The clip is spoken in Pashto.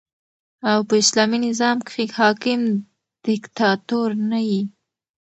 او په اسلامي نظام کښي حاکم دیکتاتور نه يي.